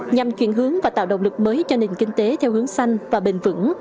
nhằm chuyển hướng và tạo động lực mới cho nền kinh tế theo hướng xanh và bền vững